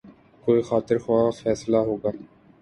کوئی خاطر خواہ فیصلہ ہو گا۔